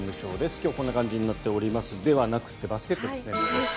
今日はこんな感じになっておりますではなくてバスケットですね。